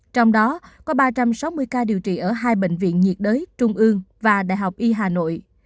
trong đó có ba trăm sáu mươi ca điều trị ở hai bệnh viện nhiệt đới trung ương và đại học y hà nội